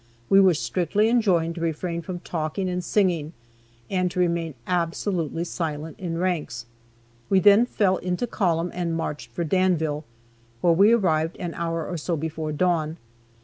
We were strictly enjoined to refrain from talking and singing, and to remain absolutely silent in ranks. We then fell into column and marched for Danville, where we arrived an hour or so before dawn.